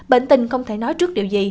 bệnh tình không thể nói trước điều gì